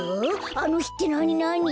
あのひってなになに？